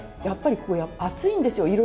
やっぱりここ厚いんですよ。